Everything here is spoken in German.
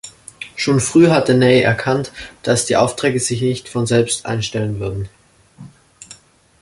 Schon früh hatte Ney erkannt, dass die Aufträge sich nicht von selbst einstellen würden.